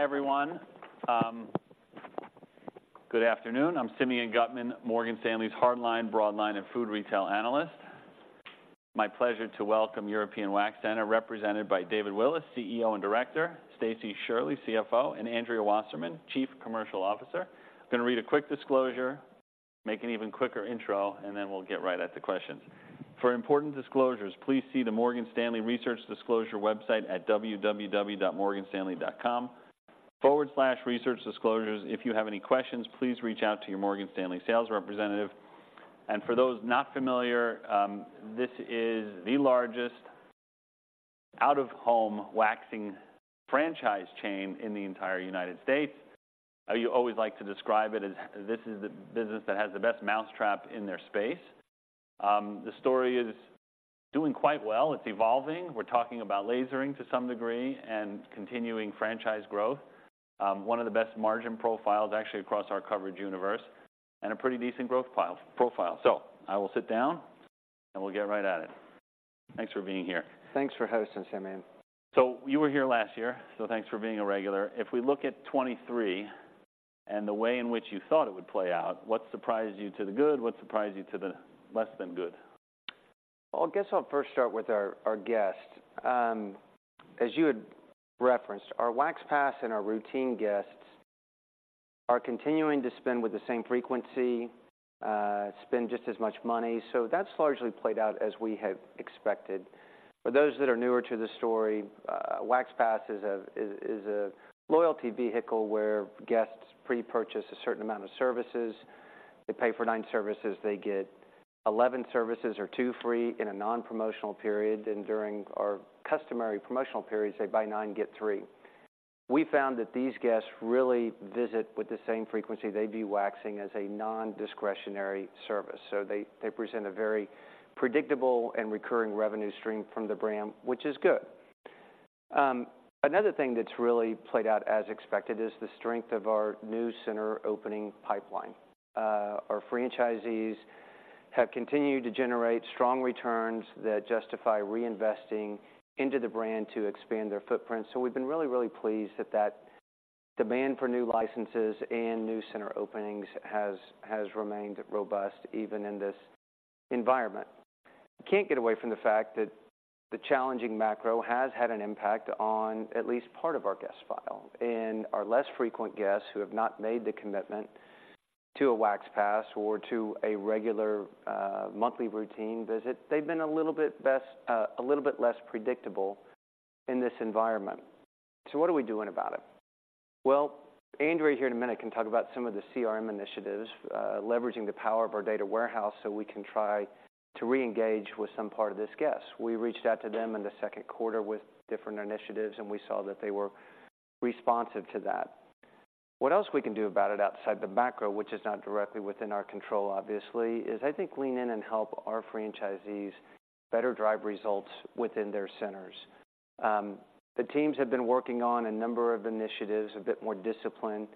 Hi, everyone. Good afternoon. I'm Simeon Gutman, Morgan Stanley's hardline, broadline, and food retail analyst. It's my pleasure to welcome European Wax Center, represented by David Willis, CEO and Director; Stacie Shirley, CFO; and Andrea Wasserman, Chief Commercial Officer. I'm gonna read a quick disclosure, make an even quicker intro, and then we'll get right at the questions. For important disclosures, please see the Morgan Stanley Research Disclosure website at www.morganstanley.com/researchdisclosures. If you have any questions, please reach out to your Morgan Stanley sales representative. For those not familiar, this is the largest out-of-home waxing franchise chain in the entire United States. You always like to describe it as this is the business that has the best mousetrap in their space. The story is doing quite well. It's evolving. We're talking about lasering to some degree and continuing franchise growth. One of the best margin profiles actually across our coverage universe, and a pretty decent growth profile. So I will sit down, and we'll get right at it. Thanks for being here. Thanks for hosting, Simeon. You were here last year, so thanks for being a regular. If we look at 2023 and the way in which you thought it would play out, what surprised you to the good? What surprised you to the less than good? Well, I guess I'll first start with our guests. As you had referenced, our Wax Pass and our routine guests are continuing to spend with the same frequency, spend just as much money, so that's largely played out as we had expected. For those that are newer to the story, Wax Pass is a loyalty vehicle where guests pre-purchase a certain amount of services. They pay for nine services; they get 11 services or two free in a non-promotional period. During our customary promotional periods, they buy nine, get three. We found that these guests really visit with the same frequency they view waxing as a non-discretionary service. So they present a very predictable and recurring revenue stream from the brand, which is good. Another thing that's really played out as expected is the strength of our new center opening pipeline. Our franchisees have continued to generate strong returns that justify reinvesting into the brand to expand their footprint. So we've been really, really pleased that that demand for new licenses and new center openings has remained robust, even in this environment. You can't get away from the fact that the challenging macro has had an impact on at least part of our guest file. And our less frequent guests, who have not made the commitment to a Wax Pass or to a regular monthly routine visit, they've been a little bit less predictable in this environment. So what are we doing about it? Well, Andrea, here in a minute, can talk about some of the CRM initiatives, leveraging the power of our data warehouse so we can try to reengage with some part of this guest. We reached out to them in the Q2 with different initiatives, and we saw that they were responsive to that. What else we can do about it outside the macro, which is not directly within our control, obviously, is, I think, lean in and help our franchisees better drive results within their centers. The teams have been working on a number of initiatives, a bit more discipline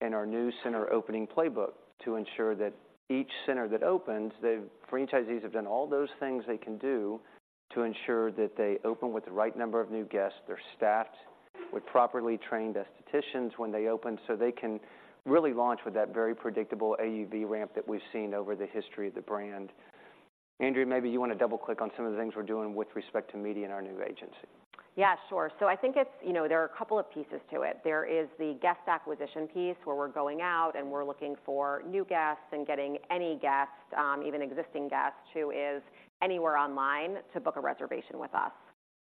in our new center opening playbook to ensure that each center that opens, the franchisees have done all those things they can do to ensure that they open with the right number of new guests. They're staffed with properly trained aestheticians when they open, so they can really launch with that very predictable AUV ramp that we've seen over the history of the brand. Andrea, maybe you want to double-click on some of the things we're doing with respect to media and our new agency. Yeah, sure. So I think it's, you know, there are a couple of pieces to it. There is the guest acquisition piece, where we're going out and we're looking for new guests and getting any guest, even existing guests, who is anywhere online, to book a reservation with us.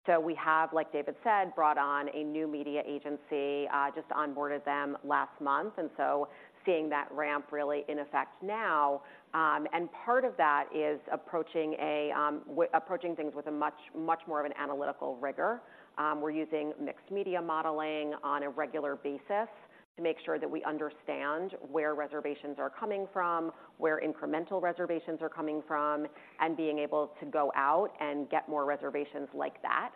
So we have, like David said, brought on a new media agency, just onboarded them last month, and so seeing that ramp really in effect now. And part of that is approaching things with a much, much more of an analytical rigor. We're using mixed media modeling on a regular basis to make sure that we understand where reservations are coming from, where incremental reservations are coming from, and being able to go out and get more reservations like that.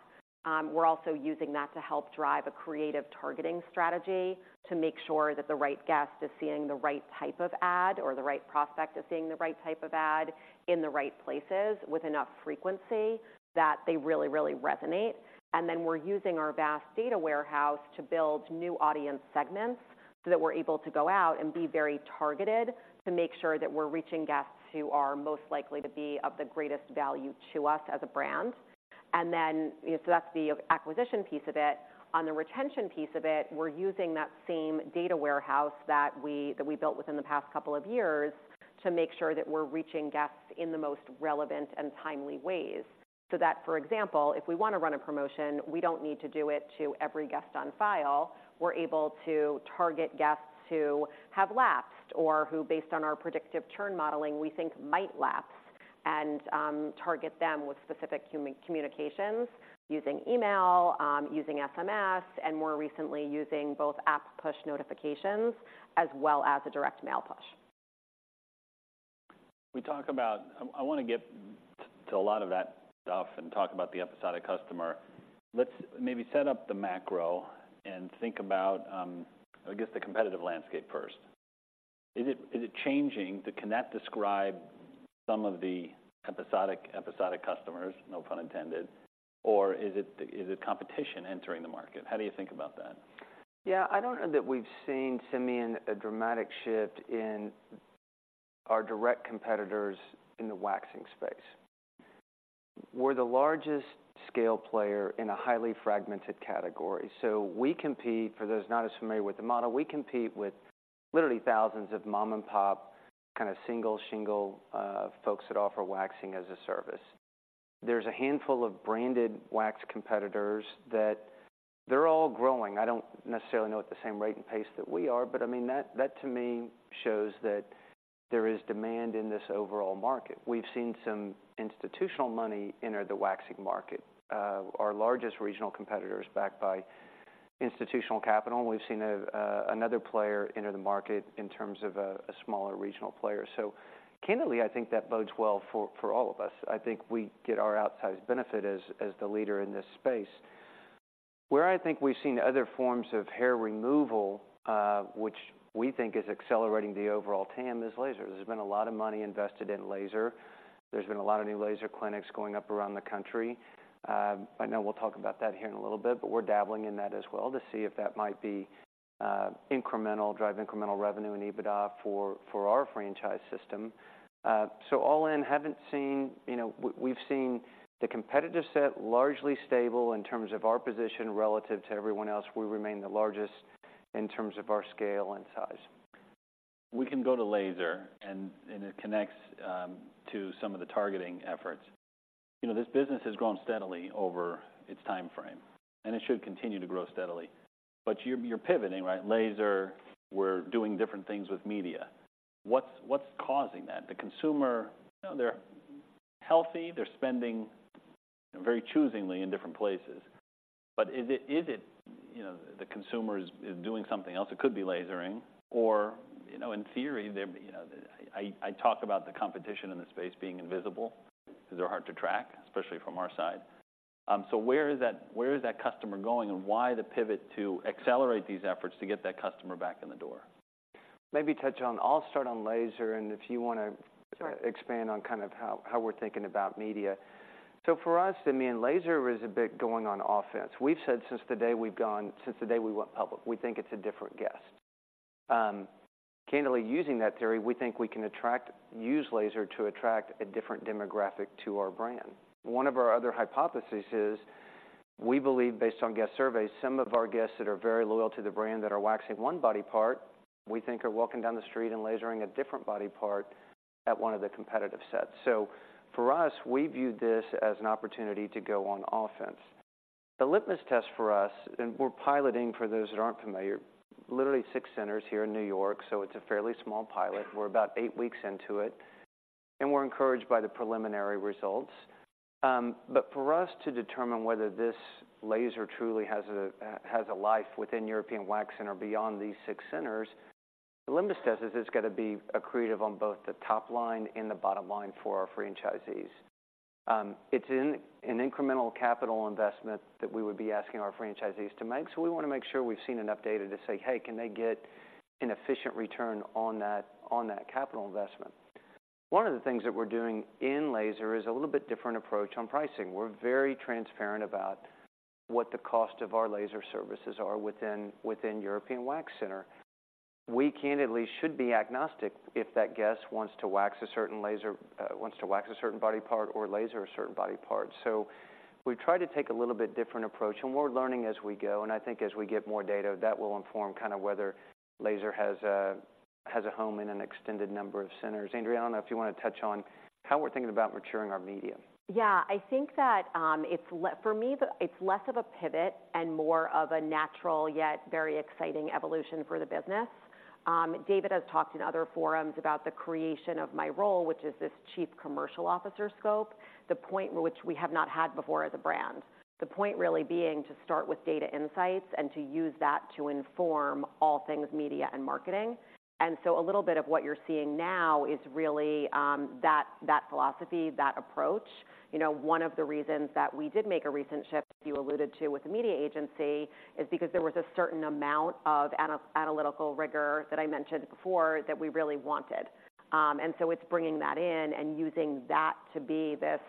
We're also using that to help drive a creative targeting strategy to make sure that the right guest is seeing the right type of ad, or the right prospect is seeing the right type of ad in the right places with enough frequency that they really, really resonate. And then we're using our vast data warehouse to build new audience segments, so that we're able to go out and be very targeted to make sure that we're reaching guests who are most likely to be of the greatest value to us as a brand. And then, so that's the acquisition piece of it. On the retention piece of it, we're using that same data warehouse that we built within the past couple of years to make sure that we're reaching guests in the most relevant and timely ways. So that, for example, if we want to run a promotion, we don't need to do it to every guest on file. We're able to target guests who have lapsed or who, based on our predictive churn modeling, we think might lapse and target them with specific human communications using email, using SMS, and more recently, using both app push notifications as well as a direct mail push. We talk about... I wanna get to a lot of that stuff and talk about the episodic customer. Let's maybe set up the macro and think about, I guess, the competitive landscape first.... Is it changing the-- can that describe some of the episodic customers, no pun intended, or is it competition entering the market? How do you think about that? Yeah, I don't know that we've seen, Simeon, a dramatic shift in our direct competitors in the waxing space. We're the largest scale player in a highly fragmented category, so we compete, for those not as familiar with the model, we compete with literally thousands of mom-and-pop, kind of single shingle, folks that offer waxing as a service. There's a handful of branded wax competitors that they're all growing. I don't necessarily know at the same rate and pace that we are, but I mean, that, that to me shows that there is demand in this overall market. We've seen some institutional money enter the waxing market, our largest regional competitor is backed by institutional capital, and we've seen a, another player enter the market in terms of a, a smaller regional player. So candidly, I think that bodes well for, for all of us. I think we get our outsized benefit as, as the leader in this space. Where I think we've seen other forms of hair removal, which we think is accelerating the overall TAM, is lasers. There's been a lot of money invested in laser. There's been a lot of new laser clinics going up around the country. I know we'll talk about that here in a little bit, but we're dabbling in that as well to see if that might be, incremental- drive incremental revenue and EBITDA for, for our franchise system. So all in, haven't seen. You know, we- we've seen the competitive set largely stable in terms of our position relative to everyone else. We remain the largest in terms of our scale and size. We can go to laser, and it connects to some of the targeting efforts. You know, this business has grown steadily over its timeframe, and it should continue to grow steadily. But you're pivoting, right? Laser, we're doing different things with media. What's causing that? The consumer, you know, they're healthy, they're spending very choosily in different places. But is it, you know, the consumer doing something else? It could be lasering or, you know, in theory, I talk about the competition in this space being invisible because they're hard to track, especially from our side. So where is that customer going, and why the pivot to accelerate these efforts to get that customer back in the door? Maybe touch on... I'll start on laser, and if you want to- Sure. Expand on kind of how we're thinking about media. So for us, Simeon, laser is a bit going on offense. We've said since the day we went public, we think it's a different guest. Candidly, using that theory, we think we can use laser to attract a different demographic to our brand. One of our other hypotheses is, we believe, based on guest surveys, some of our guests that are very loyal to the brand, that are waxing one body part, we think are walking down the street and lasering a different body part at one of the competitive sets. So for us, we view this as an opportunity to go on offense. The litmus test for us, and we're piloting, for those that aren't familiar, literally six centers here in New York, so it's a fairly small pilot. We're about eight weeks into it, and we're encouraged by the preliminary results. But for us to determine whether this laser truly has a life within European Wax Center beyond these six centers, the litmus test is it's got to be accretive on both the top line and the bottom line for our franchisees. It's an incremental capital investment that we would be asking our franchisees to make, so we want to make sure we've seen enough data to say, "Hey, can they get an efficient return on that capital investment?" One of the things that we're doing in laser is a little bit different approach on pricing. We're very transparent about what the cost of our laser services are within European Wax Center. We candidly should be agnostic if that guest wants to wax a certain laser, wants to wax a certain body part or laser a certain body part. So we've tried to take a little bit different approach, and we're learning as we go, and I think as we get more data, that will inform kind of whether laser has a home in an extended number of centers. Andrea, I don't know if you want to touch on how we're thinking about maturing our media. Yeah, I think that, it's less of a pivot and more of a natural, yet very exciting evolution for the business. David has talked in other forums about the creation of my role, which is this Chief Commercial Officer scope, the point which we have not had before as a brand. The point really being to start with data insights and to use that to inform all things media and marketing. And so a little bit of what you're seeing now is really, that, that philosophy, that approach. You know, one of the reasons that we did make a recent shift, you alluded to, with the media agency, is because there was a certain amount of analytical rigor that I mentioned before, that we really wanted. And so it's bringing that in and using that to be this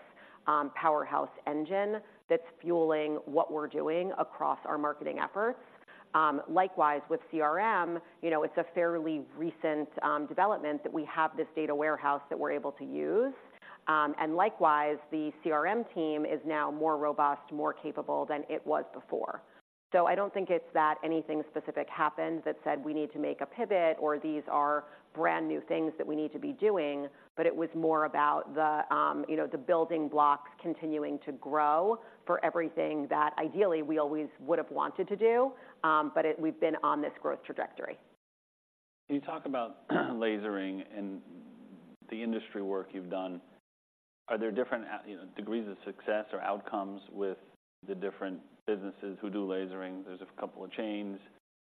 powerhouse engine that's fueling what we're doing across our marketing efforts. Likewise, with CRM, you know, it's a fairly recent development that we have this data warehouse that we're able to use. And likewise, the CRM team is now more robust, more capable than it was before. So I don't think it's that anything specific happened that said we need to make a pivot or these are brand-new things that we need to be doing, but it was more about the, you know, the building blocks continuing to grow for everything that ideally we always would have wanted to do. But it—we've been on this growth trajectory. You talk about lasering and the industry work you've done. Are there different, you know, degrees of success or outcomes with the different businesses who do lasering? There's a couple of chains.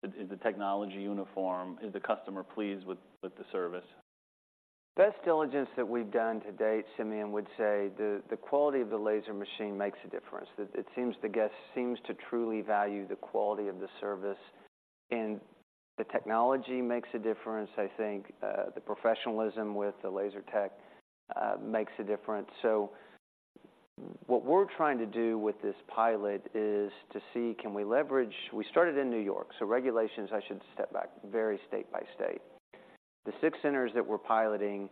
Is the technology uniform? Is the customer pleased with the service?... Best diligence that we've done to date, Simeon, would say the quality of the laser machine makes a difference. That it seems the guest seems to truly value the quality of the service, and the technology makes a difference. I think the professionalism with the laser tech makes a difference. So what we're trying to do with this pilot is to see, can we leverage. We started in New York, so regulations, I should step back, vary state by state. The six centers that we're piloting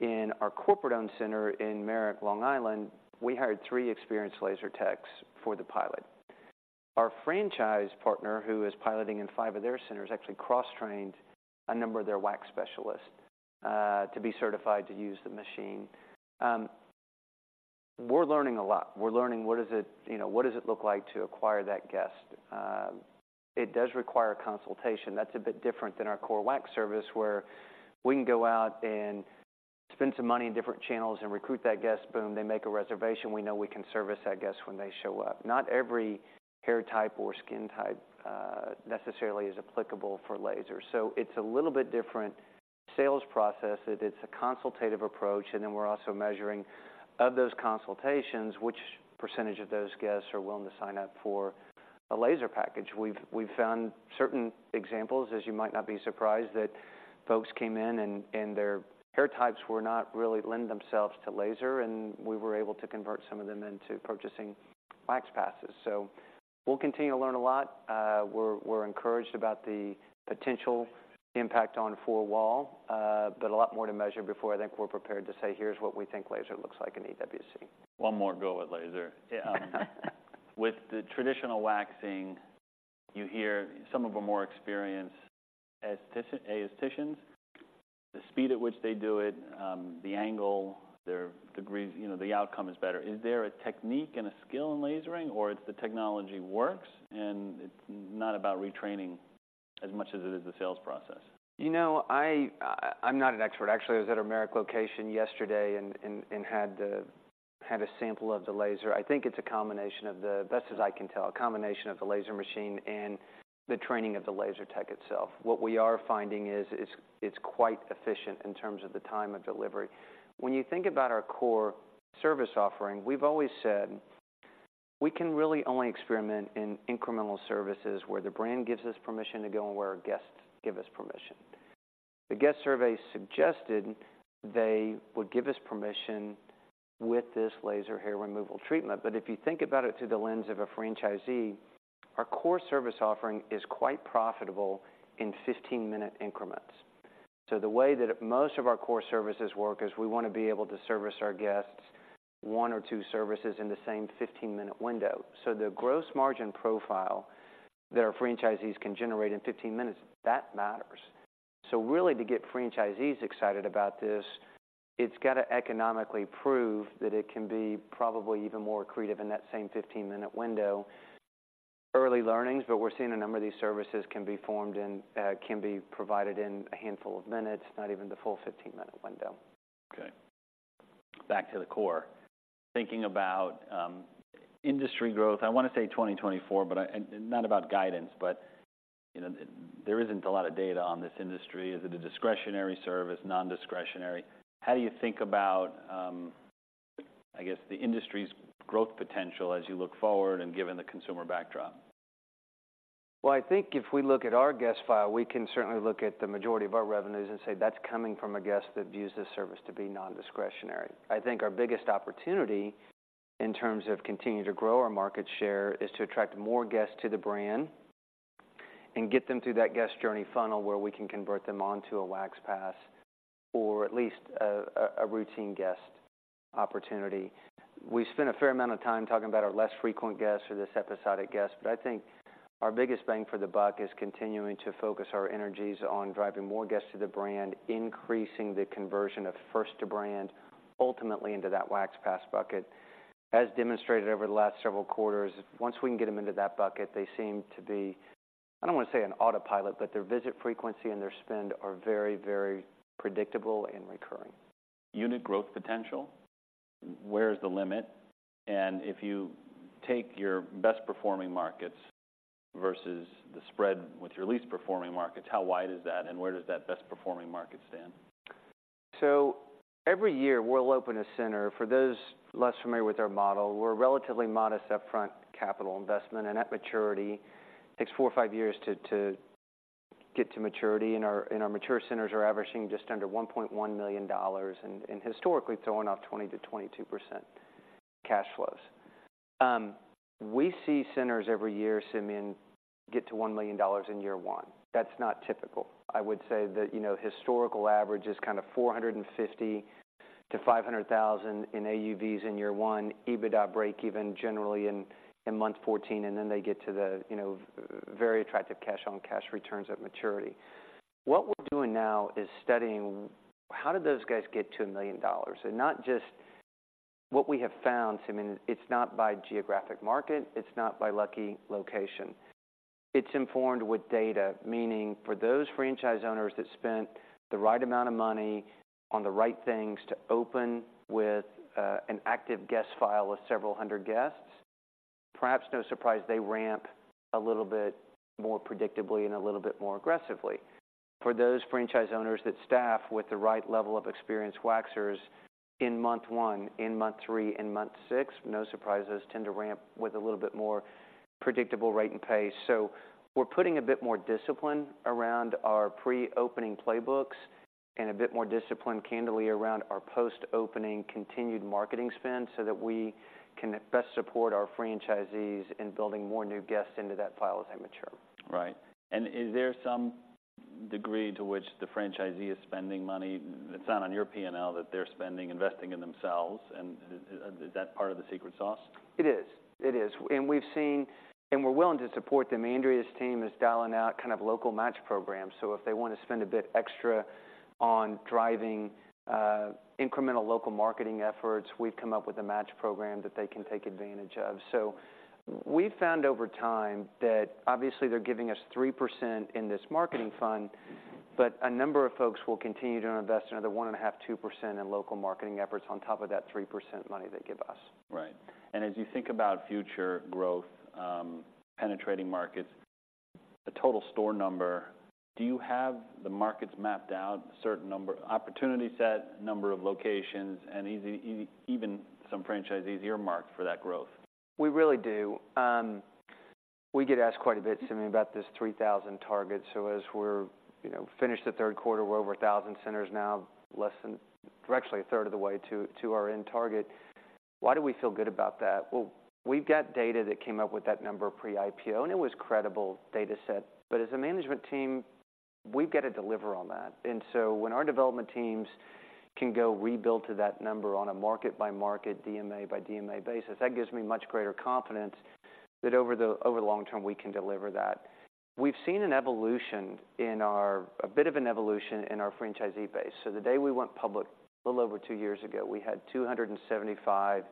in our corporate-owned center in Merrick, Long Island, we hired three experienced laser techs for the pilot. Our franchise partner, who is piloting in five of their centers, actually cross-trained a number of their wax specialists to be certified to use the machine. We're learning a lot. We're learning what does it, you know, what does it look like to acquire that guest? It does require consultation. That's a bit different than our core wax service, where we can go out and spend some money in different channels and recruit that guest. Boom, they make a reservation. We know we can service that guest when they show up. Not every hair type or skin type necessarily is applicable for laser, so it's a little bit different sales process. It's a consultative approach, and then we're also measuring, of those consultations, which percentage of those guests are willing to sign up for a laser package. We've found certain examples, as you might not be surprised, that folks came in and their hair types were not really lend themselves to laser, and we were able to convert some of them into purchasing Wax Passes. We'll continue to learn a lot. We're encouraged about the potential impact on four-wall, but a lot more to measure before I think we're prepared to say, "Here's what we think laser looks like in EWC. One more go at laser. With the traditional waxing, you hear some of the more experienced aestheticians, the speed at which they do it, the angle, their degrees, you know, the outcome is better. Is there a technique and a skill in lasering, or it's the technology works and it's not about retraining as much as it is the sales process? You know, I'm not an expert. Actually, I was at our Merrick location yesterday and had a sample of the laser. I think it's a combination of the best as I can tell, a combination of the laser machine and the training of the laser tech itself. What we are finding is, it's quite efficient in terms of the time of delivery. When you think about our core service offering, we've always said we can really only experiment in incremental services, where the brand gives us permission to go and where our guests give us permission. The guest survey suggested they would give us permission with this laser hair removal treatment. But if you think about it through the lens of a franchisee, our core service offering is quite profitable in 15-minute increments. So the way that most of our core services work is we want to be able to service our guests one or two services in the same 15-minute window. So the gross margin profile that our franchisees can generate in 15 minutes, that matters. So really, to get franchisees excited about this, it's got to economically prove that it can be probably even more accretive in that same 15-minute window. Early learnings, but we're seeing a number of these services can be provided in a handful of minutes, not even the full 15-minute window. Okay, back to the core. Thinking about industry growth, I want to say 2024, but not about guidance, but you know, there isn't a lot of data on this industry. Is it a discretionary service, non-discretionary? How do you think about, I guess, the industry's growth potential as you look forward and given the consumer backdrop? Well, I think if we look at our guest file, we can certainly look at the majority of our revenues and say that's coming from a guest that views this service to be non-discretionary. I think our biggest opportunity, in terms of continuing to grow our market share, is to attract more guests to the brand and get them through that guest journey funnel, where we can convert them onto a Wax Pass or at least a routine guest opportunity. We spent a fair amount of time talking about our less frequent guests or this episodic guest, but I think our biggest bang for the buck is continuing to focus our energies on driving more guests to the brand, increasing the conversion of first to brand, ultimately into that Wax Pass bucket. As demonstrated over the last several quarters, once we can get them into that bucket, they seem to be, I don't want to say on autopilot, but their visit frequency and their spend are very, very predictable and recurring. Unit growth potential, where is the limit? If you take your best performing markets versus the spread with your least performing markets, how wide is that, and where does that best performing market stand? So every year, we'll open a center. For those less familiar with our model, we're a relatively modest upfront capital investment, and at maturity, takes four or five years to get to maturity. And our mature centers are averaging just under $1.1 million and historically throwing off 20%-22% cash flows. We see centers every year, Simeon, get to $1 million in year one. That's not typical. I would say that, you know, historical average is kind of $450,000-$500,000 in AUVs in year one, EBITDA breakeven generally in month 14, and then they get to the, you know, very attractive cash on cash returns at maturity. What we're doing now is studying, how did those guys get to $1 million? And not just... What we have found, Simeon, it's not by geographic market, it's not by lucky location. It's informed with data, meaning for those franchise owners that spent the right amount of money on the right things to open with, an active guest file of several hundred guests, perhaps no surprise, they ramp a little bit more predictably and a little bit more aggressively. For those franchise owners that staff with the right level of experienced waxers in month one, in month three, and month six, no surprises, tend to ramp with a little bit more predictable rate and pace. So we're putting a bit more discipline around our pre-opening playbooks and a bit more discipline, candidly, around our post-opening continued marketing spend, so that we can best support our franchisees in building more new guests into that file as they mature. Right. And is there some degree to which the franchisee is spending money that's not on your P&L, that they're spending investing in themselves? And is that part of the secret sauce? It is. It is. And we've seen, and we're willing to support them. Andrea's team is dialing out kind of local match programs, so if they want to spend a bit extra on driving, incremental local marketing efforts, we've come up with a match program that they can take advantage of. So we've found over time that obviously they're giving us 3% in this marketing fund, but a number of folks will continue to invest another 1.5%-2% in local marketing efforts on top of that 3% money they give us. Right. And as you think about future growth, penetrating markets, the total store number, do you have the markets mapped out, a certain number, opportunity set, number of locations, and even some franchisees earmarked for that growth? We really do. We get asked quite a bit, Simeon, about this 3,000 target. So as we're, you know, finished the Q3, we're over 1,000 centers now. We're actually a third of the way to our end target. Why do we feel good about that? Well, we've got data that came up with that number pre-IPO, and it was credible data set. But as a management team, we've got to deliver on that. And so when our development teams can go rebuild to that number on a market-by-market, DMA-by-DMA basis, that gives me much greater confidence that over the long term, we can deliver that. We've seen an evolution in our, a bit of an evolution in our franchisee base. So the day we went public, a little over two years ago, we had 275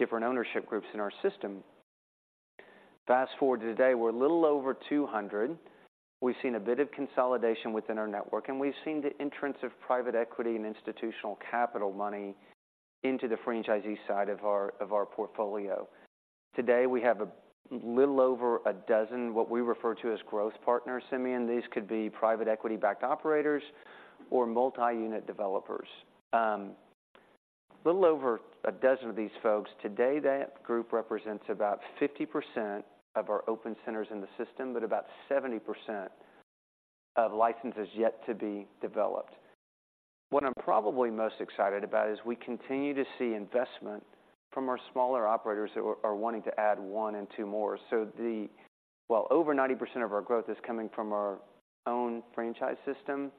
different ownership groups in our system. Fast-forward to today, we're a little over 200. We've seen a bit of consolidation within our network, and we've seen the entrance of private equity and institutional capital money into the franchisee side of our portfolio. Today, we have a little over a dozen, what we refer to as growth partners, Simeon. These could be private equity-backed operators or multi-unit developers. A little over a dozen of these folks. Today, that group represents about 50% of our open centers in the system, but about 70% of licenses yet to be developed. What I'm probably most excited about is we continue to see investment from our smaller operators that are wanting to add one and two more. So the... While over 90% of our growth is coming from our own franchise system,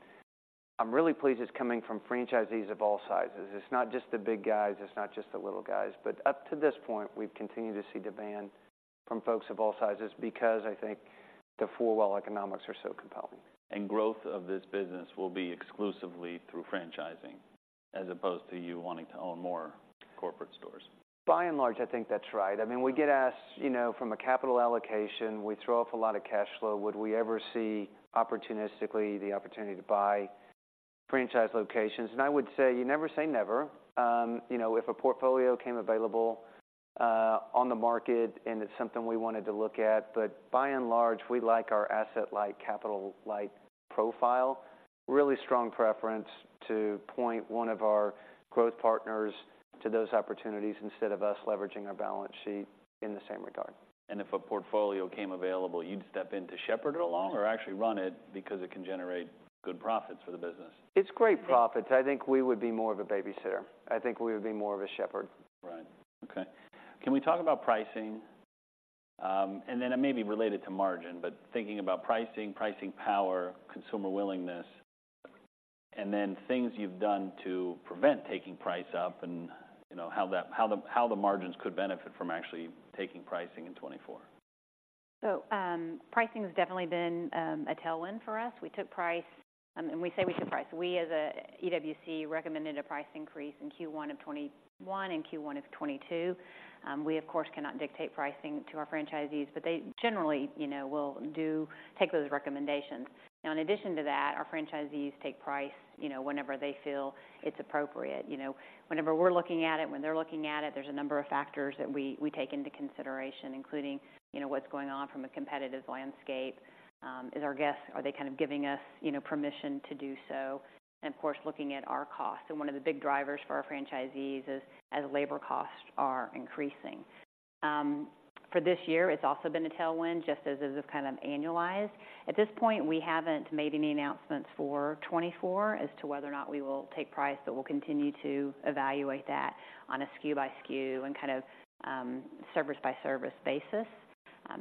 I'm really pleased it's coming from franchisees of all sizes. It's not just the big guys, it's not just the little guys, but up to this point, we've continued to see demand from folks of all sizes because I think the four-wall economics are so compelling. Growth of this business will be exclusively through franchising, as opposed to you wanting to own more corporate stores? By and large, I think that's right. I mean, we get asked, you know, from a capital allocation, we throw off a lot of cash flow, would we ever see, opportunistically, the opportunity to buy franchise locations? I would say, you never say never. You know, if a portfolio became available, on the market and it's something we wanted to look at. But by and large, we like our asset-light, capital-light profile. Really strong preference to point one of our growth partners to those opportunities instead of us leveraging our balance sheet in the same regard. If a portfolio came available, you'd step in to shepherd it along or actually run it because it can generate good profits for the business? It's great profits. I think we would be more of a babysitter. I think we would be more of a shepherd. Right. Okay. Can we talk about pricing? And then it may be related to margin, but thinking about pricing, pricing power, consumer willingness, and then things you've done to prevent taking price up and, you know, how the margins could benefit from actually taking pricing in 2024. So, pricing has definitely been a tailwind for us. We took price, and we say we took price. We, as EWC, recommended a price increase in Q1 of 2021 and Q1 of 2022. We, of course, cannot dictate pricing to our franchisees, but they generally, you know, will take those recommendations. Now, in addition to that, our franchisees take price, you know, whenever they feel it's appropriate. You know, whenever we're looking at it, when they're looking at it, there's a number of factors that we take into consideration, including, you know, what's going on from a competitive landscape, are our guests giving us, you know, permission to do so? And, of course, looking at our costs, and one of the big drivers for our franchisees is as labor costs are increasing. For this year, it's also been a tailwind, just as it is kind of annualized. At this point, we haven't made any announcements for 2024 as to whether or not we will take price, but we'll continue to evaluate that on a SKU by SKU and kind of service by service basis.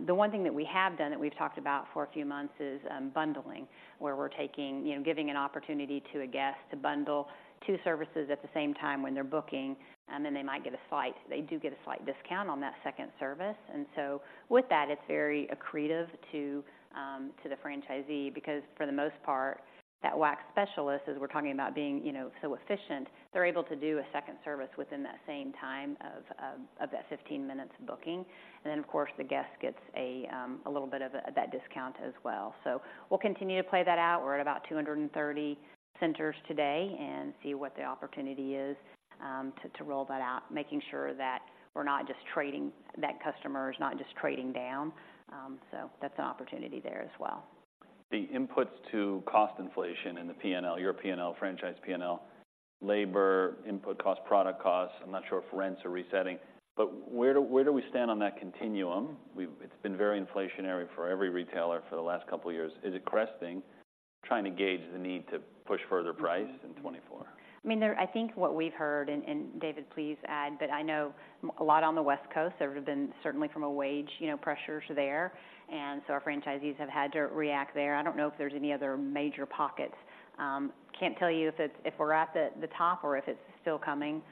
The one thing that we have done, that we've talked about for a few months, is bundling, where we're taking... You know, giving an opportunity to a guest to bundle two services at the same time when they're booking, and then they might get a slight-- they do get a slight discount on that second service. With that, it's very accretive to the franchisee because for the most part, that wax specialist, as we're talking about being, you know, so efficient, they're able to do a second service within that same time of that 15 minutes booking. Of course, the guest gets a little bit of that discount as well. We'll continue to play that out. We're at about 230 centers today, and see what the opportunity is to roll that out, making sure that we're not just trading - that customer is not just trading down. That's an opportunity there as well. ... the inputs to cost inflation in the P&L, your P&L, franchise P&L, labor, input cost, product costs. I'm not sure if rents are resetting, but where do we stand on that continuum? We've. It's been very inflationary for every retailer for the last couple of years. Is it cresting? Trying to gauge the need to push further price in 2024. I mean, there, I think what we've heard, and, and David, please add, but I know a lot on the West Coast, there have been certainly from a wage, you know, pressures there, and so our franchisees have had to react there. I don't know if there's any other major pockets. Can't tell you if it's, if we're at the top or if it's still coming.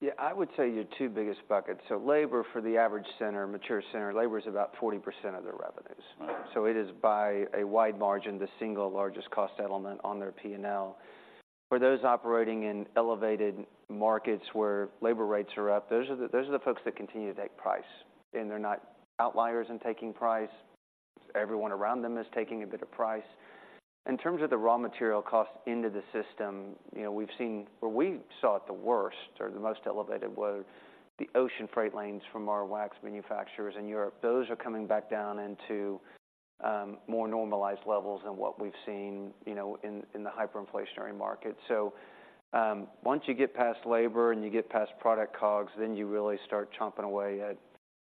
Yeah, I would say your two biggest buckets. So labor for the average center, mature center, labor is about 40% of their revenues. Right. So it is by a wide margin, the single largest cost settlement on their P&L. For those operating in elevated markets where labor rates are up, those are the folks that continue to take price, and they're not outliers in taking price. Everyone around them is taking a bit of price. In terms of the raw material costs into the system, you know, we've seen... Where we saw it the worst or the most elevated, were the ocean freight lanes from our wax manufacturers in Europe. Those are coming back down into more normalized levels than what we've seen, you know, in the hyperinflationary market. So, once you get past labor and you get past product COGS, then you really start chomping away at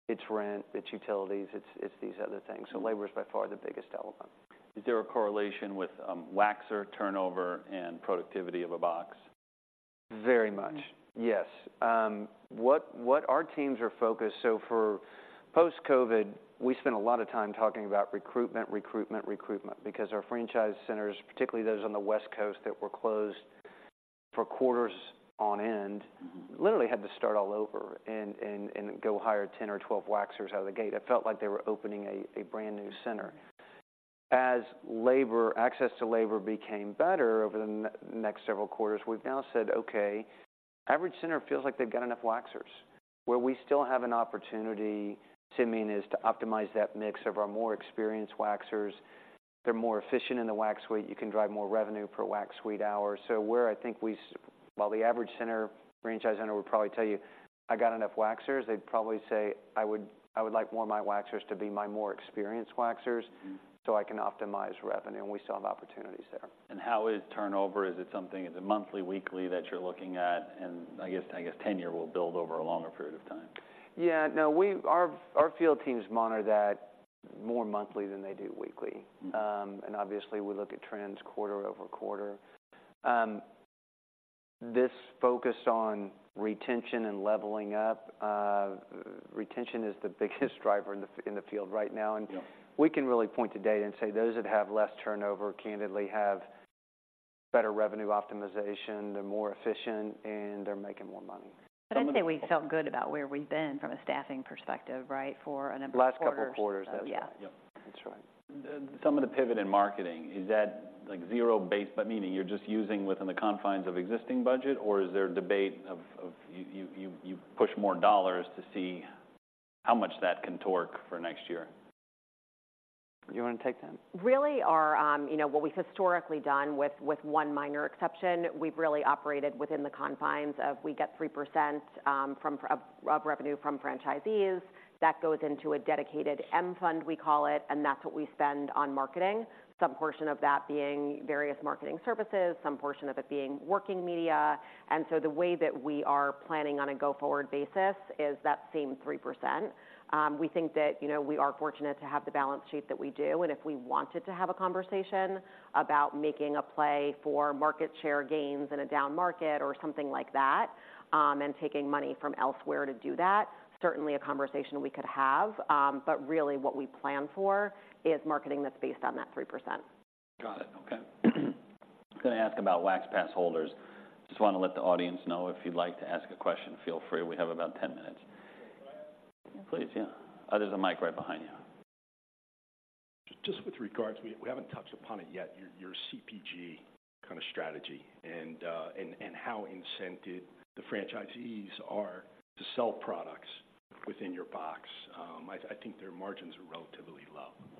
its rent, its utilities, its these other things. So labor is by far the biggest element. Is there a correlation with waxer turnover and productivity of a box? Very much. Yes. What our teams are focused. So for post-COVID, we spent a lot of time talking about recruitment, recruitment, recruitment, because our franchise centers, particularly those on the West Coast that were closed for quarters on end- Mm-hmm. literally had to start all over and go hire 10 or 12 waxers out of the gate. It felt like they were opening a brand-new center. As labor access to labor became better over the next several quarters, we've now said, "Okay, average center feels like they've got enough waxers." Where we still have an opportunity, Jimmy, is to optimize that mix of our more experienced waxers. They're more efficient in the wax suite; you can drive more revenue per wax suite hour. So where I think we while the average center, franchise center would probably tell you, "I got enough waxers," they'd probably say, "I would like more of my waxers to be my more experienced waxers. Mm-hmm. so I can optimize revenue," and we still have opportunities there. How is turnover? Is it something... Is it monthly, weekly, that you're looking at? I guess, I guess tenure will build over a longer period of time. Yeah. No, our field teams monitor that more monthly than they do weekly. Mm. And obviously, we look at trends quarter-over-quarter. This focus on retention and leveling up retention is the biggest driver in the field right now, and- Yeah... we can really point to data and say, those that have less turnover, candidly, have better revenue optimization, they're more efficient, and they're making more money. But I'd say we felt good about where we've been from a staffing perspective, right? For a number of quarters. Last couple quarters, that's right. Yeah. Yep, that's right. Some of the pivot in marketing, is that, like, zero-based? But meaning, you're just using within the confines of existing budget, or is there a debate of you push more dollars to see how much that can torque for next year? You want to take that? Really our, you know, what we've historically done, with one minor exception, we've really operated within the confines of, we get 3%, from of revenue from franchisees. That goes into a dedicated M Fund, we call it, and that's what we spend on marketing. Some portion of that being various marketing services, some portion of it being working media, and so the way that we are planning on a go-forward basis is that same 3%. We think that, you know, we are fortunate to have the balance sheet that we do, and if we wanted to have a conversation about making a play for market share gains in a down market or something like that, and taking money from elsewhere to do that, certainly a conversation we could have. But really what we plan for is marketing that's based on that 3%. Got it. Okay. I was gonna ask about Wax Pass holders. Just want to let the audience know, if you'd like to ask a question, feel free. We have about 10 minutes. Go ahead. Please, yeah. There's a mic right behind you. Just with regards, we haven't touched upon it yet, your CPG kind of strategy, and how incented the franchisees are to sell products within your box. I think their margins are relatively low.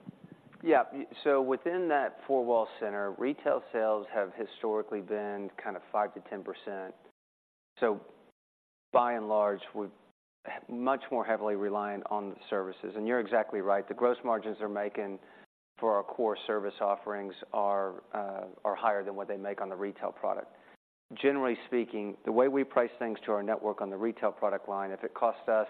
Yeah. So within that four-wall center, retail sales have historically been kind of 5%-10%. So by and large, we're much more heavily reliant on the services. And you're exactly right, the gross margins they're making for our core service offerings are higher than what they make on the retail product. Generally speaking, the way we price things to our network on the retail product line, if it costs us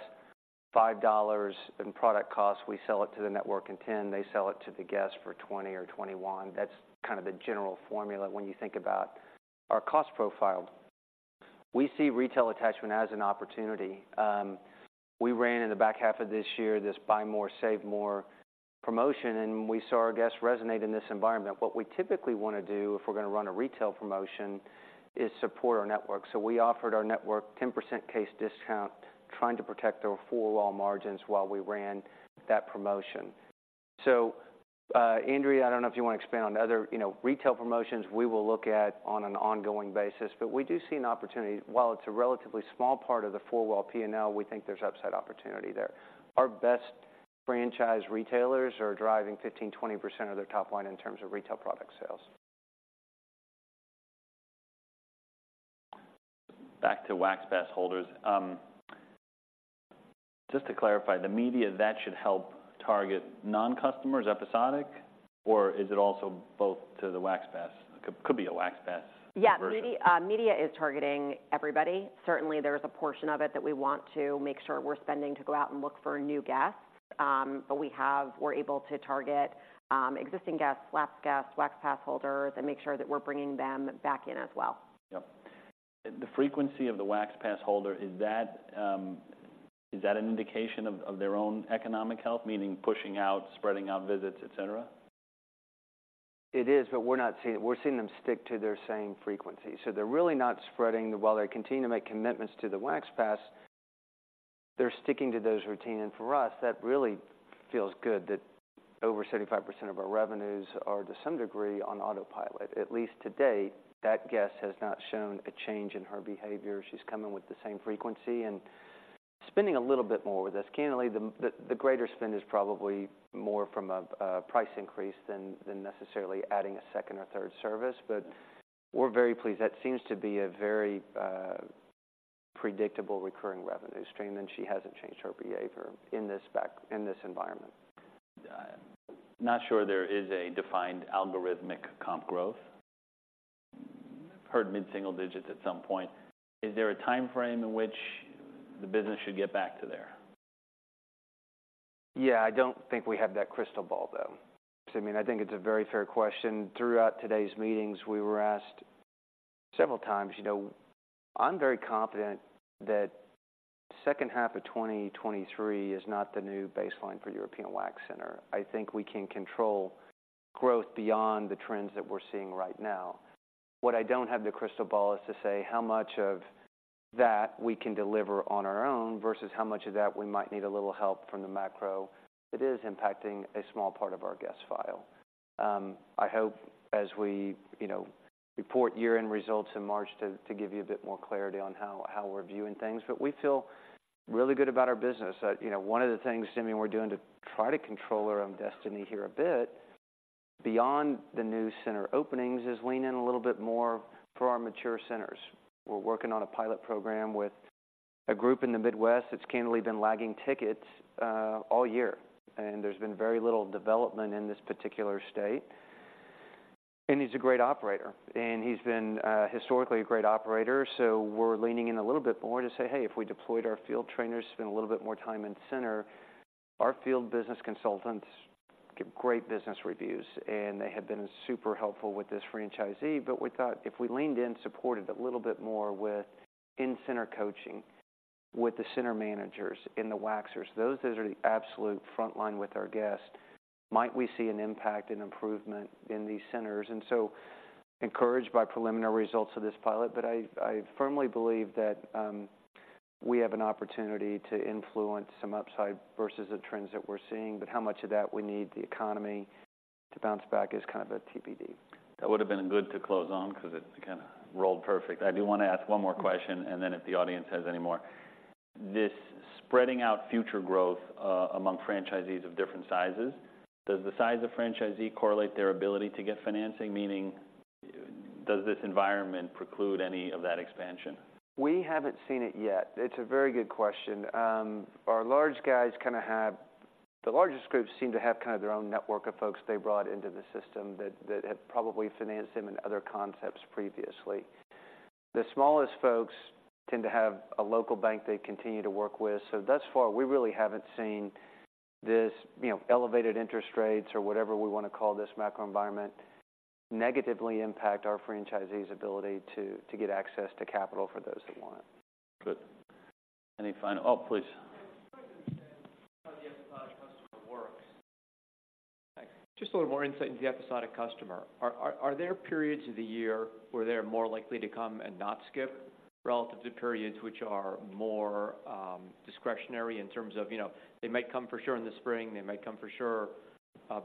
$5 in product costs, we sell it to the network in $10, they sell it to the guest for $20 or $21. That's kind of the general formula when you think about our cost profile. We see retail attachment as an opportunity. We ran in the back half of this year, this Buy More, Save More promotion, and we saw our guests resonate in this environment. What we typically want to do, if we're going to run a retail promotion, is support our network. So we offered our network 10% case discount, trying to protect our four-wall margins while we ran that promotion. So, Andrea, I don't know if you want to expand on other, you know, retail promotions we will look at on an ongoing basis, but we do see an opportunity. While it's a relatively small part of the four-wall P&L, we think there's upside opportunity there. Our best franchise retailers are driving 15%-20% of their top line in terms of retail product sales.... Back to Wax Pass holders. Just to clarify, the media that should help target non-customers, episodic, or is it also both to the Wax Pass? Could be a Wax Pass conversion. Yeah. Media, media is targeting everybody. Certainly, there is a portion of it that we want to make sure we're spending to go out and look for new guests. But we're able to target existing guests, last guests, Wax Pass holders, and make sure that we're bringing them back in as well. Yep. The frequency of the Wax Pass holder, is that, is that an indication of, of their own economic health? Meaning pushing out, spreading out visits, et cetera. It is, but we're not seeing it. We're seeing them stick to their same frequency, so they're really not spreading. While they continue to make commitments to the Wax Pass, they're sticking to those routine, and for us, that really feels good that over 75% of our revenues are, to some degree, on autopilot. At least to date, that guest has not shown a change in her behavior. She's coming with the same frequency and spending a little bit more with us. Candidly, the greater spend is probably more from a price increase than necessarily adding a second or third service, but we're very pleased. That seems to be a very predictable, recurring revenue stream, and she hasn't changed her behavior in this environment. Not sure there is a defined algorithmic comp growth. Heard mid-single digits at some point. Is there a timeframe in which the business should get back to there? Yeah, I don't think we have that crystal ball, though. So, I mean, I think it's a very fair question. Throughout today's meetings, we were asked several times. You know, I'm very confident that second half of 2023 is not the new baseline for European Wax Center. I think we can control growth beyond the trends that we're seeing right now. What I don't have the crystal ball is to say how much of that we can deliver on our own versus how much of that we might need a little help from the macro. It is impacting a small part of our guest file. I hope, as we, you know, report year-end results in March, to give you a bit more clarity on how we're viewing things. But we feel really good about our business. You know, one of the things, Simeon, we're doing to try to control our own destiny here a bit, beyond the new center openings, is lean in a little bit more for our mature centers. We're working on a pilot program with a group in the Midwest that's candidly been lagging tickets all year, and there's been very little development in this particular state. He's a great operator, and he's been historically a great operator, so we're leaning in a little bit more to say, "Hey, if we deployed our field trainers, spend a little bit more time in the center..." Our field business consultants give great business reviews, and they have been super helpful with this franchisee. But we thought if we leaned in, supported a little bit more with in-center coaching with the center managers and the waxers, those are the absolute frontline with our guests. Might we see an impact, an improvement in these centers? And so encouraged by preliminary results of this pilot, but I, I firmly believe that, we have an opportunity to influence some upside versus the trends that we're seeing. But how much of that we need the economy to bounce back is kind of a TBD. That would have been good to close on because it kind of rolled perfect. I do want to ask one more question, and then if the audience has any more. This spreading out future growth among franchisees of different sizes, does the size of franchisee correlate their ability to get financing? Meaning, does this environment preclude any of that expansion? We haven't seen it yet. It's a very good question. Our large guys kind of have... The largest groups seem to have kind of their own network of folks they brought into the system that have probably financed them in other concepts previously. The smallest folks tend to have a local bank they continue to work with, so thus far, we really haven't seen this, you know, elevated interest rates or whatever we want to call this macro environment, negatively impact our franchisees' ability to get access to capital for those that want it. Good. Any final-- Oh, please. I'm trying to understand how the episodic customer works. Just a little more insight into the episodic customer. Are there periods of the year where they're more likely to come and not skip, relative to periods which are more discretionary in terms of, you know, they might come for sure in the spring, they might come for sure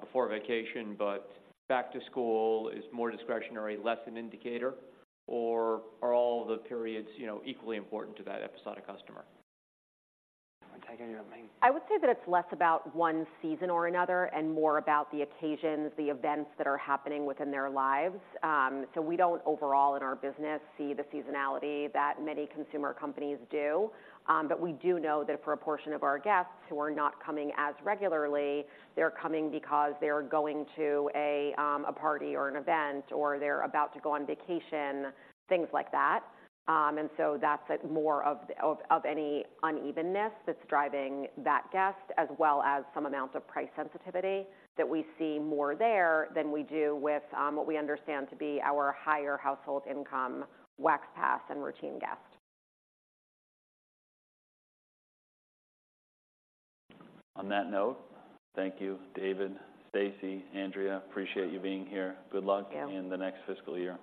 before a vacation, but back to school is more discretionary, less an indicator, or are all the periods, you know, equally important to that episodic customer? Want to take any of them? I would say that it's less about one season or another and more about the occasions, the events that are happening within their lives. So we don't overall, in our business, see the seasonality that many consumer companies do. But we do know that for a portion of our guests who are not coming as regularly, they're coming because they're going to a party or an event, or they're about to go on vacation, things like that. And so that's more of any unevenness that's driving that guest, as well as some amount of price sensitivity that we see more there than we do with what we understand to be our higher household income Wax Pass and routine guest. On that note, thank you, David, Stacie, Andrea, appreciate you being here. Thank you. Good luck in the next fiscal year.